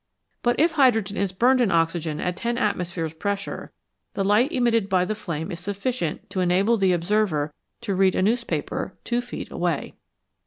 But if hydrogen is burned in oxygen at ten atmospheres pressure, the light emitted by the flame is sufficient to enable the observer to read a newspaper two feet away.